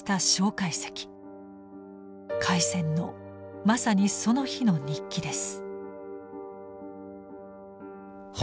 開戦のまさにその日の日記です。